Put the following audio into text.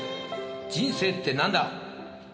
人生って何だ』。